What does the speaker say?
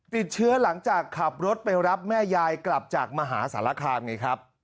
ติดเชื้อหลังจากขับรถไปรับแม่ยายกลับจากมหาสารคามไงครับ